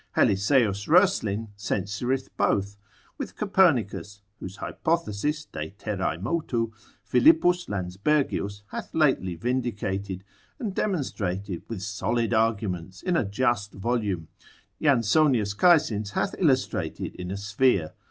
Helisaeus Roeslin censureth both, with Copernicus (whose hypothesis de terrae motu, Philippus Lansbergius hath lately vindicated, and demonstrated with solid arguments in a just volume, Jansonius Caesins hath illustrated in a sphere.)